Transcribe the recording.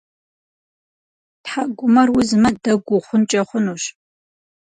ТхьэкӀумэр узмэ, дэгу ухъункӀэ хъунущ.